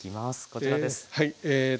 こちらです。